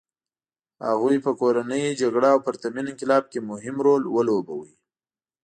هغوی په کورنۍ جګړه او پرتمین انقلاب کې مهم رول ولوباوه.